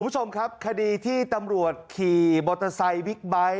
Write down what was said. คุณผู้ชมครับคดีที่ตำรวจขี่มอเตอร์ไซค์บิ๊กไบท์